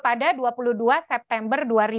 pada dua puluh dua september dua ribu dua puluh